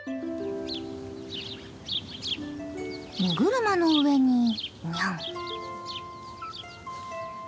荷車の上にニャン。